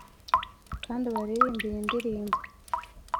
kandi ubaririmbire indirimbo.